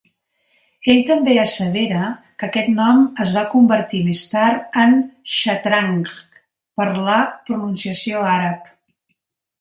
Ell també assevera que aquest nom es va convertir més tard en "Shatranj" per la pronunciació àrab.